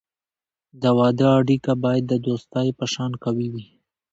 د واده اړیکه باید د دوستی په شان قوي وي.